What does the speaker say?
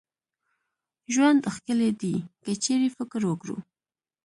ژوند ښکلې دي که چيري فکر وکړو